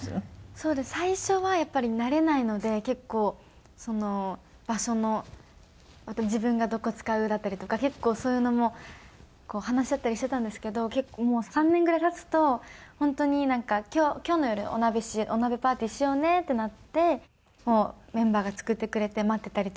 そうですね最初はやっぱり慣れないので結構その場所の自分がどこ使うだったりとか結構そういうのも話し合ったりしてたんですけど結構３年ぐらい経つと本当になんか「今日の夜お鍋お鍋パーティーしようね」ってなってもうメンバーが作ってくれて待ってたりとか。